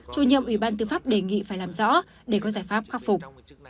chủ nhiệm ủy ban tư pháp đề nghị phải làm rõ để có giải pháp khắc phục